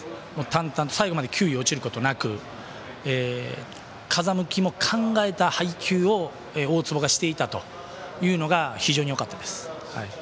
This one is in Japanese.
淡々と最後まで球威、落ちることなく風向きも考えた配球を大坪がしていたというのが非常によかったです。